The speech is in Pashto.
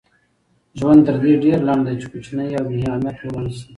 ژوند تر دې ډېر لنډ دئ، چي کوچني او بې اهمیت وګڼل سئ.